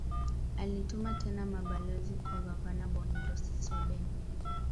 Alituma tena mabalozi kwa gavana von Soden